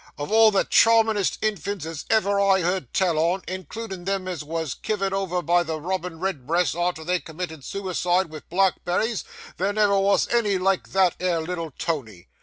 of all the charmin'est infants as ever I heerd tell on, includin' them as was kivered over by the robin redbreasts arter they'd committed sooicide with blackberries, there never wos any like that 'ere little Tony.